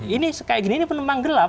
ini kayak gini ini penumpang gelap